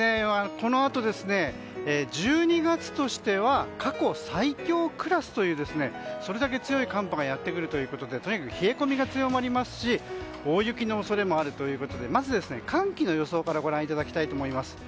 このあと、１２月としては過去最強クラスというそれだけ強い寒波がやってくるということでとにかく冷え込みが強まりますし大雪の恐れもあるということでまずは寒気の予想からご覧いただきたいと思います。